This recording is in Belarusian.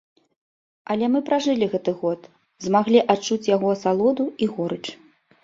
Але мы пражылі гэты год, змаглі адчуць яго асалоду і горыч.